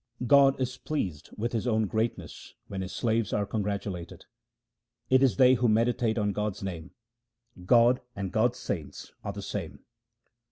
God is pleased with His own greatness when His slaves are congratulated. It is they who meditate on God's name ; God and God's saints are the same.